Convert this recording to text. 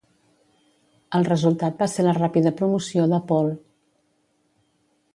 El resultat va ser la ràpida promoció de Pohl.